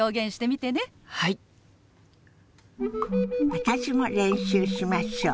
私も練習しましょう。